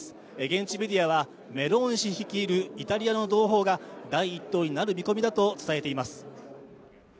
現地メディアはメローニ氏率いるイタリアの同胞が第一党になる見込みだと伝えています。